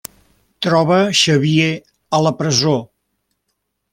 Troba Xavier a la presó.